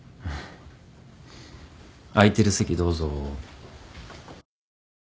空いてる席どうぞ。